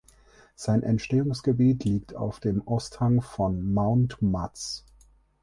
Sein Entstehungsgebiet liegt auf dem Osthang von Mount Matz.